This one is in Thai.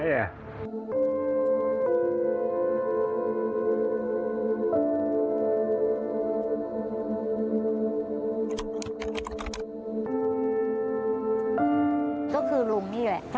ก็คือลุงนี่แหละ